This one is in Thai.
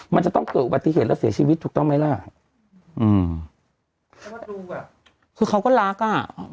มันจะต้องเกิดอุบัติเหตุแล้วเสียชีวิตถูกต้องไหมล่ะอืมเพราะว่าดูแบบคือเขาก็รักอ่ะ